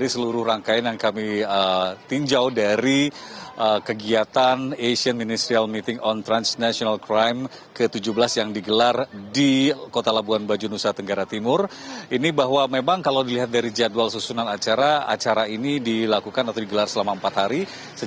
selamat sore maefi